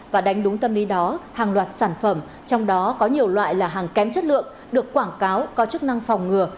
và đánh đúng tâm lý đó hàng loạt sản phẩm trong đó có nhiều loại là hàng kém chất lượng được quảng cáo có chức năng phòng ngừa